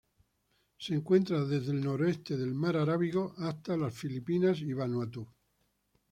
Se encuentra desde el noreste de la Mar Arábigo hasta las Filipinas y Vanuatu.